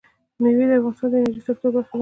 مېوې د افغانستان د انرژۍ سکتور برخه ده.